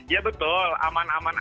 ya betul aman aman